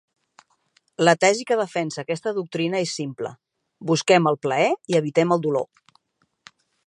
La tesi que defensa aquesta doctrina és simple: busquem el plaer i evitem el dolor.